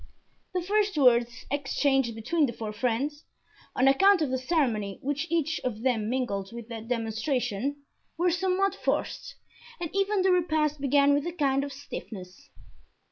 The first words exchanged between the four friends, on account of the ceremony which each of them mingled with their demonstration, were somewhat forced and even the repast began with a kind of stiffness.